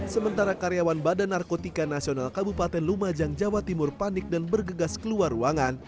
sementara karyawan badan narkotika nasional kabupaten lumajang jawa timur panik dan bergegas keluar ruangan